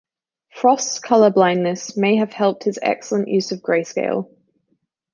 Frost's color blindness may have helped his excellent use of grayscale.